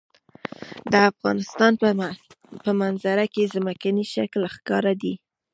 د افغانستان په منظره کې ځمکنی شکل ښکاره دی.